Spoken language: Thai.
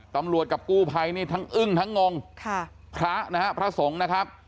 ตำรวจกับกู้ไพรนี่ทั้งอึ้งทั้งงงพระนะครับพระสงฆ์นะครับ